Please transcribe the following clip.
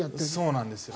そうなんですよ。